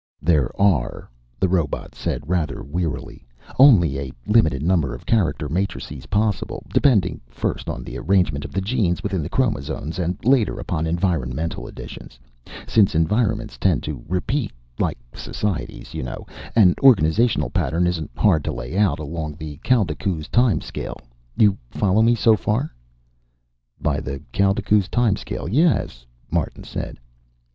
"There are," the robot said rather wearily, "only a limited number of character matrices possible, depending first on the arrangement of the genes within the chromosomes, and later upon environmental additions. Since environments tend to repeat like societies, you know an organizational pattern isn't hard to lay out, along the Kaldekooz time scale. You follow me so far?" "By the Kaldekooz time scale, yes," Martin said.